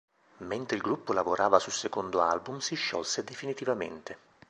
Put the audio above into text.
Mentre il gruppo lavorava sul secondo album si sciolse definitivamente.